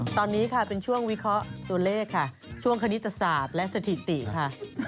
ตอนนี้ค่ะเป็นช่วงวิเคราะห์ตัวเลขค่ะช่วงคณิตศาสตร์และสถิติค่ะ